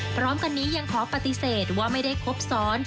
พร้อมกันนี้ยังขอปฏิเสธว่าไม่ได้ครบซ้อน